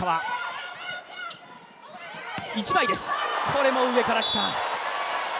これも上からきた。